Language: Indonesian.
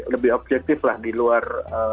lebih objektif lah di luar